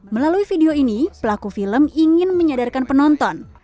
melalui video ini pelaku film ingin menyadarkan penonton